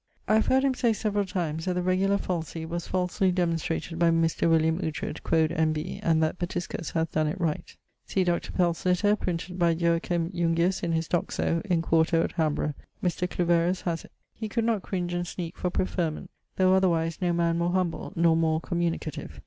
I have heard him say several times that the Regula falsi was falsly demonstrated by Mr. William Oughtred (quod N.B.) and that Petiscus hath donne it right. See Dr. Pell's letter, printed by Joachim Jungius in his Doxo ... in 4to at Hamborough Mr. Cluverus haz it. He could not cringe and sneake for preferment though otherwise no man more humble nor more communicative.